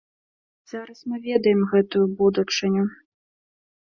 Зараз мы ведаем гэтую будучыню.